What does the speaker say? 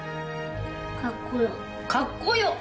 かっこよかっこよ！